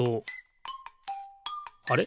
あれ？